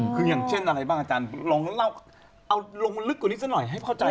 คืออย่างเช่นอะไรบ้างอาจารย์ลองเล่าเอาลงลึกกว่านี้ซะหน่อยให้เข้าใจ